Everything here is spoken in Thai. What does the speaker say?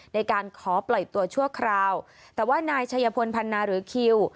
ในการขอปล่อยตัวชั่วคราวแต่ว่านายชัยพลพันนาหรือคิว